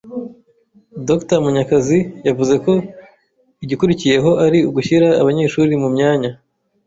Dr Munyakazi yavuze ko igikurikiyeho ari ugushyira abanyeshuri mu myanya